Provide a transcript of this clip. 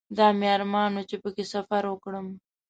دا مې ارمان و چې په کې سفر وکړم.